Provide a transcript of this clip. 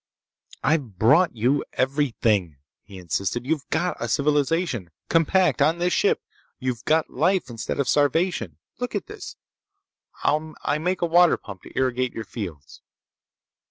"I've brought you everything!" he insisted. "You've got a civilization, compact, on this ship! You've got life instead of starvation! Look at this. I make a water pump to irrigate your fields!"